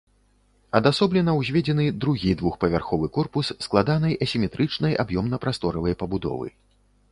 Адасоблена ўзведзены другі двухпавярховы корпус складанай асіметрычнай аб'ёмна-прасторавай пабудовы.